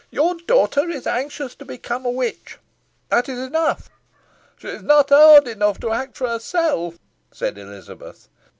"Your daughter is anxious to become a witch. That is enough." "She is not owd enough to act for herself," said Elizabeth.